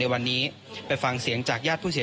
อัพโหลดประสานกันเดียว